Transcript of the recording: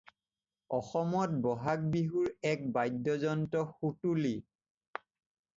অসমত ব’হাগ বিহুৰ এক বাদ্যযন্ত্ৰ সুতুলি।